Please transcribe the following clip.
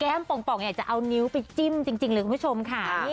ป่องอยากจะเอานิ้วไปจิ้มจริงเลยคุณผู้ชมค่ะ